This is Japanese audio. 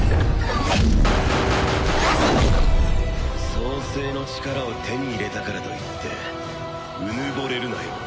創世の力を手に入れたからといってうぬぼれるなよ